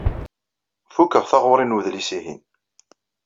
Fukeɣ taɣuri n wedlis-ihin.